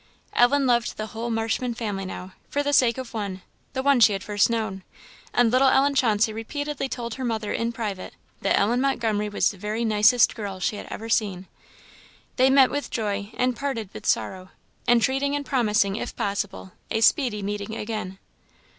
Ellen loved the whole Marshman family now, for the sake of one, the one she had first known; and little Ellen Chauncey repeatedly told her mother in private that Ellen Montgomery was the very nicest girl she had ever seen. They met with joy, and parted with sorrow, entreating and promising if possible, a speedy meeting again.